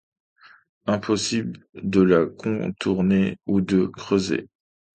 Impossible de la contourner ou de creuser.